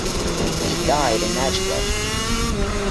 He died in Edgecliff.